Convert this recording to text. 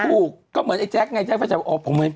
ถูกก็เหมือนไอ้แจ๊คไงไอ้แจ๊คไว้แจ๊คว่า